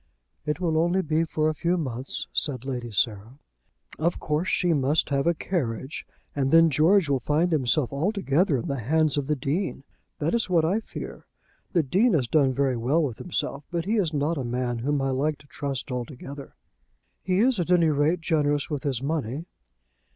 "It will only be for a few months," said Lady Sarah. "Of course she must have a carriage, and then George will find himself altogether in the hands of the Dean. That is what I fear. The Dean has done very well with himself, but he is not a man whom I like to trust altogether." "He is at any rate generous with his money."